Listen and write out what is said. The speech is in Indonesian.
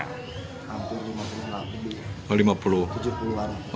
hampir lima puluh orang